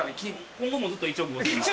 今後もずっと１億５０００万。